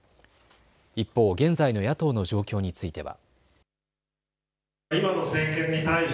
一方、現在の野党の状況については。